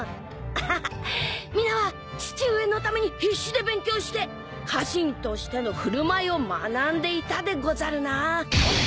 ［アハハ皆は父上のために必死で勉強して家臣としての振る舞いを学んでいたでござるな］